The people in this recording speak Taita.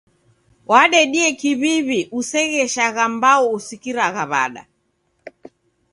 Wadedie kiw'iw'I usegheshagha mbao usikiragha w'ada.